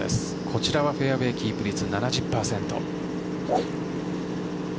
こちらはフェアウェーキープ率７０％。